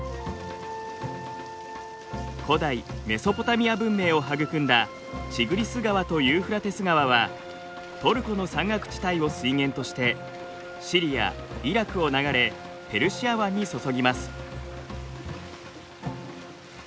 古代メソポタミア文明を育んだチグリス川とユーフラテス川はトルコの山岳地帯を水源としてシリアイラクを流れペルシア湾に注ぎます。